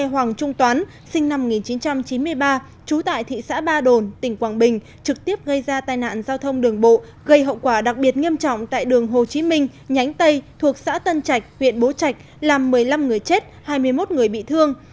hoàng trung toán sinh năm một nghìn chín trăm chín mươi ba trú tại thị xã ba đồn tỉnh quảng bình trực tiếp gây ra tai nạn giao thông đường bộ gây hậu quả đặc biệt nghiêm trọng tại đường hồ chí minh nhánh tây thuộc xã tân trạch huyện bố trạch làm một mươi năm người chết hai mươi một người bị thương